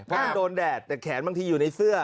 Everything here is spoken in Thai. เพราะมันโดนแดดแต่แขนบางทีอยู่ในเสื้อ